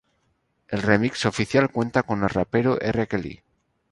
El remix oficial cuenta con el rapero R. Kelly.